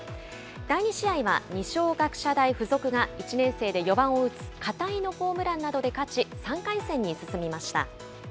第２試合は、二松学舎大付属が１年生で４番を打つ片井のホームランなどで勝ち、３回戦に進みました。